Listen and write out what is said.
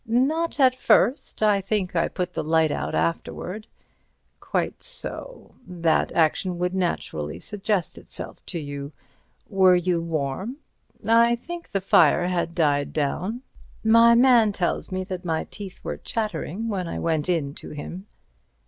"Not at first. I think I put the light out afterwards." "Quite so—that action would naturally suggest itself to you. Were you warm?" "I think the fire had died down. My man tells me that my teeth were chattering when I went in to him."